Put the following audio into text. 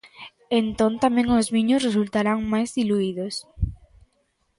Entón tamén os viños resultarán máis diluídos.